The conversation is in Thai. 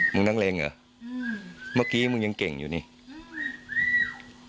มึงนักเลงเหรออืมเมื่อกี้มึงยังเก่งอยู่นี่อืม